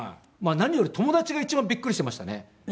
何より友達が一番びっくりしていましたね。